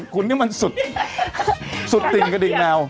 คุณนี่มันสุดดิ่งอะไรนะ